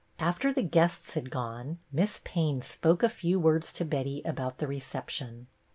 After the guests had gone. Miss Payne spoke a few words to Betty about the reception.